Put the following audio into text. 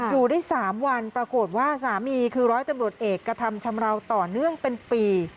อยู่ได้๓วันปรากฏว่าสามีคือร้อยตำรวจเอกกระทำชำราวต่อเนื่องเป็นปี